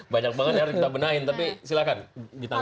banyak banget yang harus kita benahin tapi silakan ditanggapi